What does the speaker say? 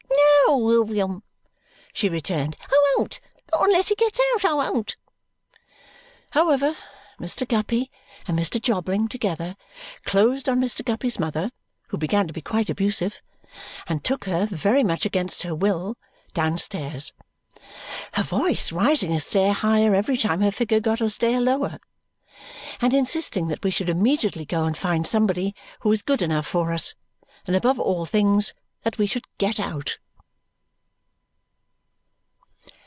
"No, William," she returned, "I won't! Not unless he gets out, I won't!" However, Mr. Guppy and Mr. Jobling together closed on Mr. Guppy's mother (who began to be quite abusive) and took her, very much against her will, downstairs, her voice rising a stair higher every time her figure got a stair lower, and insisting that we should immediately go and find somebody who was good enough for us, and above all things that we should get out.